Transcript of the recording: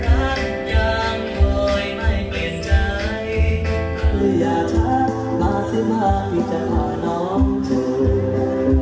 รักรักยังร้อยไม่เปลี่ยนใจหรือยาทักมาสิบห้าพี่จะพาน้องโชค